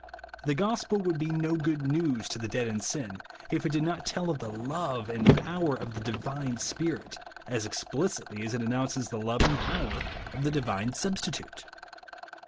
The gospel would be no good news to the dead in sin, if it did not tell of the love and power of the divine Spirit, as explicitly as it announces the love and power of the divine Substitute.